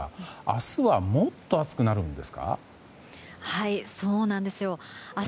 明日はもっと暑くなるんですか？